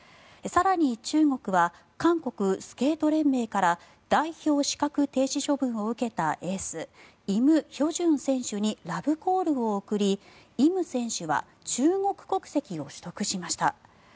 更に、中国は韓国スケート連盟から代表資格停止処分を受けたエース、イム・ヒョジュン選手にラブコールを送り、イム選手は中国国籍を取得しました。